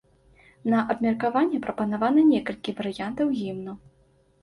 На абмеркаванне прапанавана некалькі варыянтаў гімну.